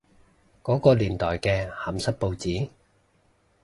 嗰個年代嘅鹹濕報紙？